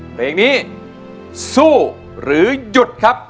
เพลงนี้สู้หรือหยุดครับ